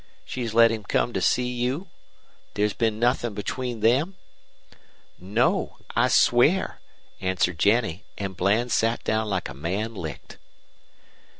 She's let him come to see you? There's been nuthin' between them?' "'No. I swear,' answered Jennie; an' Bland sat down like a man licked.